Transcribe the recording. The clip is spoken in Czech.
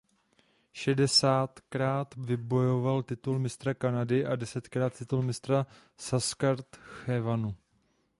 Šestkrát vybojoval titul mistra Kanady a desetkrát titul mistra Saskatchewanu.